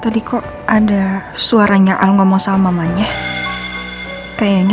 tadi kok ada suaranya al ngomong sama mamanya kayaknya